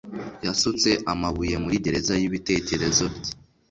Yasutse amabuye muri gereza yibitekerezo bye.